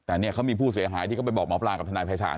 แต่เนี่ยเขามีผู้เสียหายที่เขาไปบอกหมอปลากับทนายภัยศาล